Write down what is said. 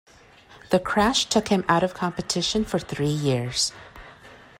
The crash took him out of competition for three years.